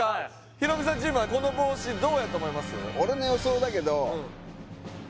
ヒロミさんチームはこの帽子どうやと思います？